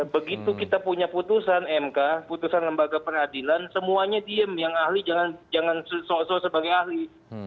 begitu kita punya putusan mk putusan lembaga peradilan semuanya diem yang ahli jangan sok sok sebagai ahli